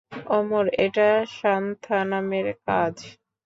অমর, এটা সান্থানামের কাজ।